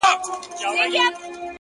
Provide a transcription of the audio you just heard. د پايزېب شرنگ ته يې په ژړا سترگي سرې کړې